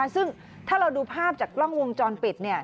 ซึ่งถ้าเราดูภาพจากกล้องวงจรปิด